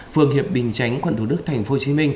phường hiệp bình chánh quận đồ đức tp hcm